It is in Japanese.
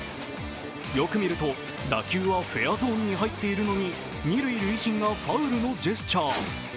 よく見ると、打球はフェアゾーンに入っているのに二塁塁審がファウルのジェスチャー。